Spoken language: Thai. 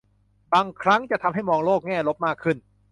บางครั้งจะทำให้มองโลกแง่ลบมากขึ้น